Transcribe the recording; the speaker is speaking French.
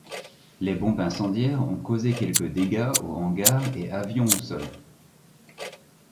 Les bombes incendiaires ont causé quelques dégâts aux hangars et avions au sol.